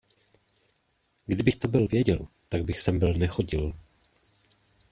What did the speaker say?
Kdybych to byl věděl, tak bych sem byl nechodil.